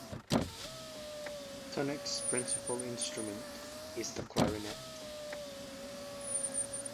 Tunick's principal instrument is the clarinet.